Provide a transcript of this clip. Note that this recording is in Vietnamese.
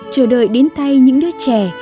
chờ đợi đến thay những đứa trẻ